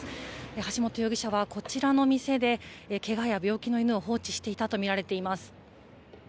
橋本容疑者はこちらの店でけがや病気の犬を放置していたとみられています。